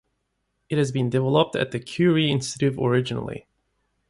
It has been developed at the Curie institute originally.